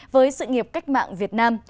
với sự nghiệp cách mạng việt nam